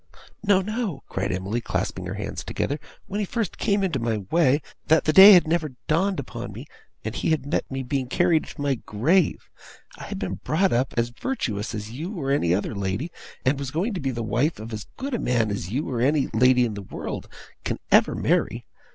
'No! no!' cried Emily, clasping her hands together. 'When he first came into my way that the day had never dawned upon me, and he had met me being carried to my grave! I had been brought up as virtuous as you or any lady, and was going to be the wife of as good a man as you or any lady in the world can ever marry.